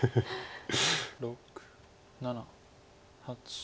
６７８。